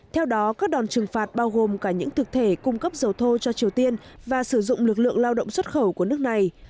theo đó các đòn trừng phạt bao gồm cả những thực thể cung cấp dầu thô cho triều tiên và sử dụng lực lượng lao động xuất khẩu của nước này